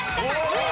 ２位